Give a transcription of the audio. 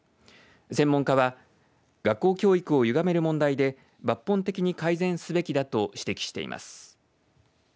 専門家は学校教育をゆがめる問題で抜本的に改善すべきだと指摘しています。